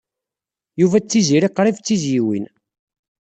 Yuba d Tiziri qrib d tizzyiwin.